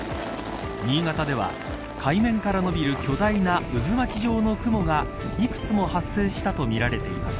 新潟では、海面から伸びる巨大な渦巻き状の雲が幾つも発生したとみられています。